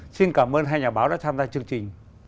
xin cảm ơn hai nhà báo đã tham gia chương trình